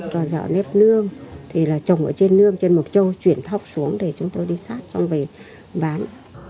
còn dọ nếp nương thì là trồng ở trên nương trên một châu chuyển thóc xuống để chúng tôi đi sát trong về bán